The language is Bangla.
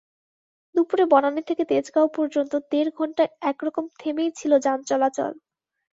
দুপুরে বনানী থেকে তেজগাঁও পর্যন্ত দেড় ঘণ্টা একরকম থেমেই ছিল যান চলাচল।